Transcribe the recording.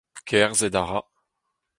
Kerzhet a ra.